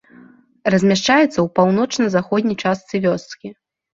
Размяшчаецца ў паўночна-заходняй частцы вёскі.